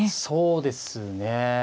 そうですね。